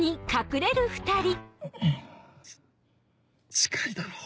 ち近いだろ。